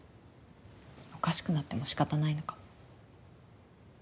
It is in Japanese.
おかしくなってもしかたないのかも。